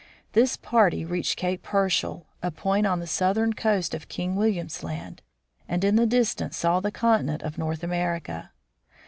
This party reached Cape Herschel, a point on the southern coast of King William's Land, and in the dis tance saw the continent of North America.